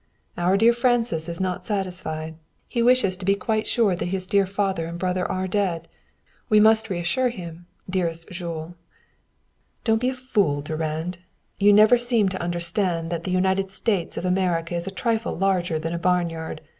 Our dear Francis is not satisfied. He wishes to be quite sure that his dear father and brother are dead. We must reassure him, dearest Jules." "Don't be a fool, Durand. You never seem to understand that the United States of America is a trifle larger than a barnyard.